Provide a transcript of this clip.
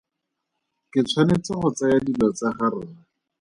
Ke tshwanetse go tsaya dilo tsa ga rre.